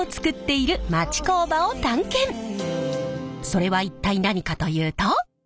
それは一体何かというと。